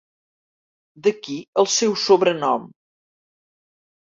D'aquí el seu sobrenom.